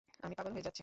আমি পাগল হয়ে যাচ্ছি।